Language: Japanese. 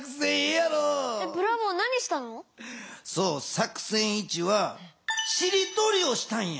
作戦１は「しりとり」をしたんや。